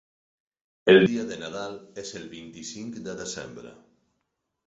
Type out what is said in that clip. El dia de Nadal és el vint-i-cinc de desembre.